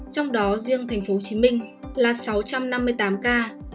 trong đó riêng tp hcm là sáu trăm năm mươi tám ca